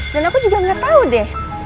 dan aku juga nggak tahu deh